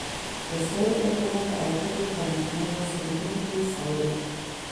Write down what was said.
د ثور انقلاب حرکت یې په نغمو او سرودونو کې ستایلو.